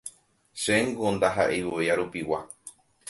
Chéngo ndaha'eivoi arupigua